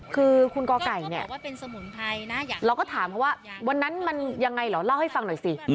คือคุณกไก่เนี่ยเราก็ถามเขาว่าวันนั้นมันยังไงเหรอเล่าให้ฟังหน่อยสิ